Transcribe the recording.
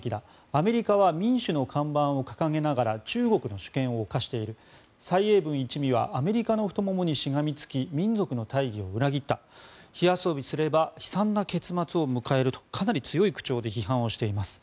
アメリカは民主の看板を掲げながら中国の主権を侵している蔡英文一味はアメリカの太ももにしがみつき民族の大義を裏切った火遊びすれば悲惨な結末を迎えるとかなり強い口調で批判をしています。